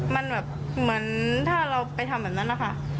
มันแบบเหมือนถ้าเราไปทำแบบนั้นนะคะ